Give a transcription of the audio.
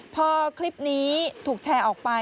พอคลิปนี้ถูกแชร์ออกไป